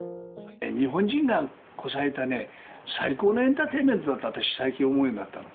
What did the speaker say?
日本人がこさえた最高のエンターテインメントだと私、最近思うようになった。